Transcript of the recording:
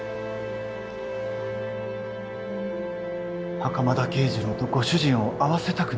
袴田啓二郎とご主人を会わせたくなかった。